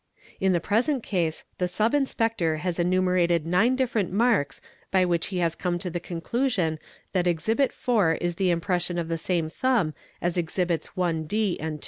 In the present case the | Sub Inspector has enumerated nine different marks by which he has come | to the conclusion that Exhibit 4 is the impression of the same thumb | as Exhibits 1 (d) and 2.